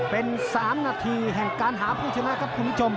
เป็น๓นาทีแห่งการหาผู้ชนะครับคุณผู้ชม